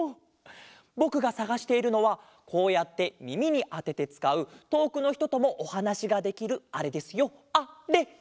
ぼくがさがしているのはこうやってみみにあててつかうとおくのひとともおはなしができるあれですよあれ！